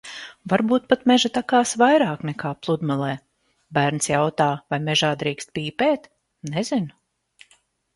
Varbūt pat meža takās vairāk, nekā pludmalē. Bērns jautā: "Vai mežā drīkst pīpēt?" Nezinu.